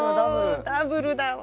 もうダブルだわ！